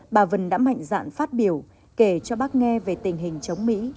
bà vân đã mạnh dạn phát biểu kể cho bác nghe về tình hình chống mỹ